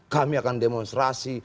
kami akan demonstrasi